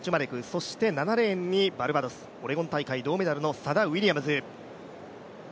そして７レーンにバルバドス、オレゴン大会銅メダルのサダ・ウィリアムズ。